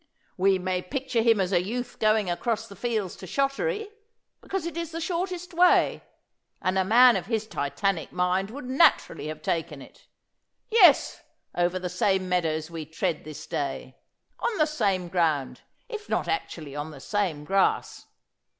•" We may'picture him as a youth going across the fields to Shottery : because it is the shortest way, and a man of his Titanic mind would naturally have taken it : yes, over the same meadows we tread this day : on the same ground, if not actually on the same grass."